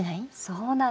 そうなの。